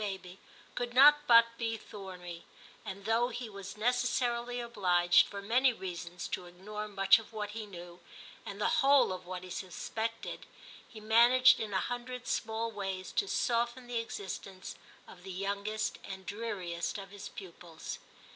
baby could not but be thorny, and though he was necessarily obliged, for many reasons, to Ignore much of what he knew, and the whole of what he suspected, he managed in a hundred small ways to soften the existence of the youngest and dreariest of his pupils.